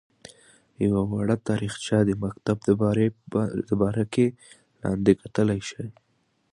A brief history of the schools follows below.